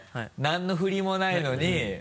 何の振りもないのに。